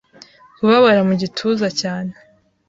Kubabara mu gituza, cyane